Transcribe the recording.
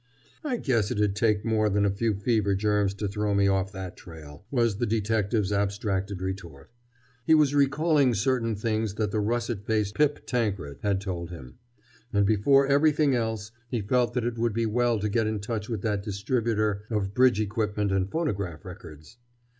"I guess it'd take more than a few fever germs to throw me off that trail," was the detective's abstracted retort. He was recalling certain things that the russet faced Pip Tankred had told him. And before everything else he felt that it would be well to get in touch with that distributor of bridge equipment and phonograph records.